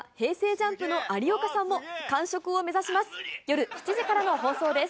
ＪＵＭＰの有岡さんも完食を目指します。